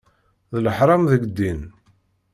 D leḥram deg ddin.